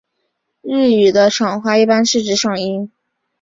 日语的赏花一般指的是赏樱。